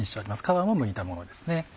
皮をむいたものですね。